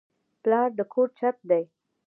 پلار د کور چت دی